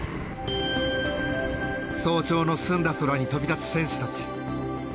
早朝の澄んだ空に飛び立つ選手たち。